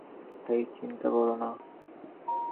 হেই চিন্তা করো না।